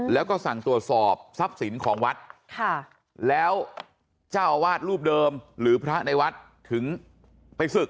แล้วก็สั่งตรวจสอบทรัพย์สินของวัดแล้วเจ้าอาวาสรูปเดิมหรือพระในวัดถึงไปศึก